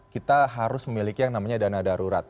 kita harus memiliki yang namanya dana darurat